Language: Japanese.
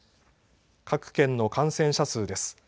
各県の感染者数です。